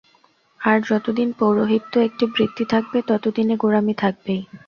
আর যতদিন পৌরোহিত্য একটি বৃত্তি থাকবে, ততদিন এ গোঁড়ামি থাকবেই।